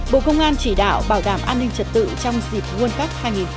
bộ công an chỉ đạo bảo đảm an ninh trật tự trong dịp world cup hai nghìn hai mươi bốn